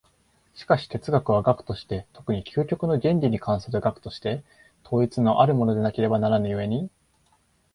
しかし哲学は学として、特に究極の原理に関する学として、統一のあるものでなければならぬ故に、